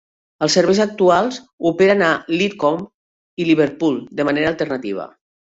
Els serveis actuals operen a Lidcombe i Liverpool de manera alternativa.